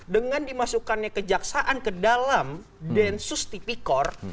dengan dimasukkannya kejaksaan ke dalam densus tipikor